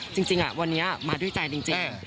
จริงวันนี้มาด้วยใจจริง